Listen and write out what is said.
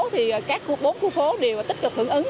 thì các bốn khu phố đều tích cực thưởng ứng